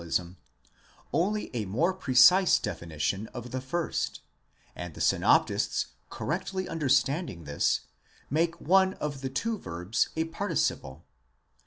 685 ism, only a more precise definition of the first, and the synoptists, correctly understanding this, make one of the two verbs a participle.